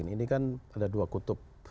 ini kan ada dua kutub